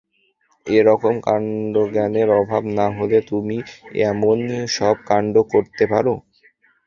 এরকম কান্ডজ্ঞানের অভাব না হলে তুমি এমন সব কান্ড করতে পারো!